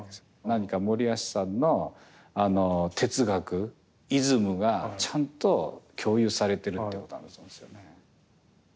何か森保さんの哲学イズムがちゃんと共有されてるってことなんだと思いますよね。